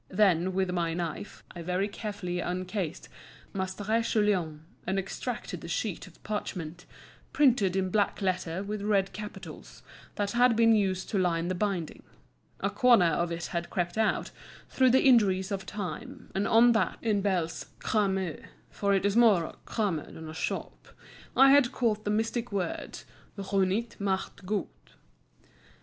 Then, with my knife, I very carefully uncased Maistre Guillaume, and extracted the sheet of parchment, printed in black letter with red capitals, that had been used to line the binding. A corner of it had crept out, through the injuries of time, and on that, in Bell's "crame" (for it is more a crame than a shop), I had caught the mystic words Runjt macht Gunjt.